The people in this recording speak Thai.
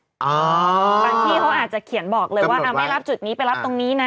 บางที่เขาอาจจะเขียนบอกเลยว่าไม่รับจุดนี้ไปรับตรงนี้นะ